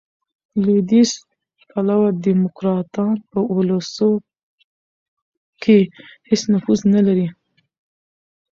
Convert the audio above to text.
لوېدیځ پلوه ډیموکراټان، په اولسو کښي هیڅ نفوذ نه لري.